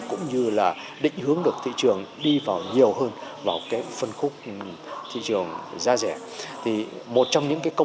cũng như là định hướng được thị trường đi vào nhiều hơn vào phân khúc